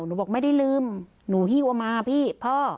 หนูบอกไม่ได้ลืมหนูหิ้วเอามาพี่พ่อ